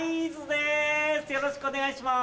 よろしくお願いします。